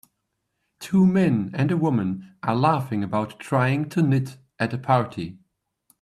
Two men and a woman are laughing about trying to knit at a party.